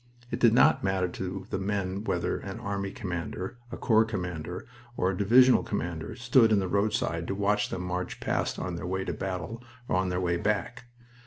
It did not matter to the men whether an army commander, a corps commander, or a divisional commander stood in the roadside to watch them march past on their way to battle or on their way back.